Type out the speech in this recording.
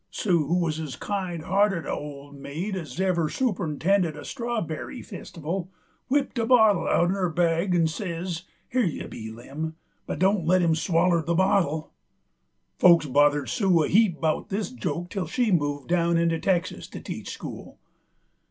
Sue, who wuz as kind hearted a' old maid as ever super'ntended a strawbeiry festival, whipped a bottle out'n her bag 'nd says: "Here you be, Lem, but don't let him swaller the bottle." Folks bothered Sue a heap 'bout this joke till she moved down into Texas to teach school.